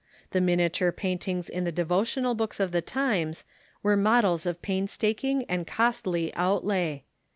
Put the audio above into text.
The miniature paint ings in the devotional books of the times were models of pains taking and costly outlay.